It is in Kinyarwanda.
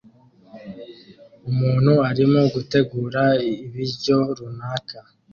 Umuntu arimo gutegura ibiryo runaka